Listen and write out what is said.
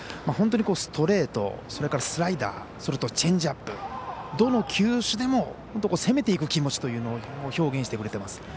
本当にストレート、スライダーそれとチェンジアップどの球種でも攻めていく気持ちというのを表現してくれてます。